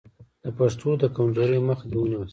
د پښتو د کمزورۍ مخه دې ونیول شي.